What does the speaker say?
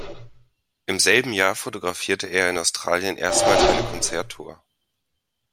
Im selben Jahr fotografierte er in Australien erstmals eine Konzert-Tour.